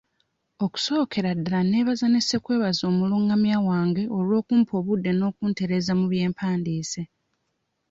Okusookera ddala neebaza ne ssekwebaza omulungamya wange olw'okumpa obudde n'okuntereeza mu bye mpandiise.